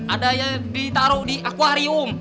ada ya ditaruh di aquarium